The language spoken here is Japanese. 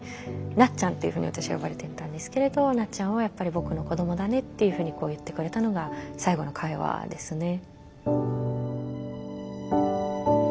「なっちゃん」っていうふうに私は呼ばれてたんですけれど「なっちゃんはやっぱり僕の子どもだね」っていうふうに言ってくれたのが最後の会話ですね。